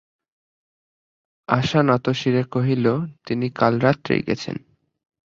আশা নতশিরে কহিল, তিনি কাল রাত্রেই গেছেন।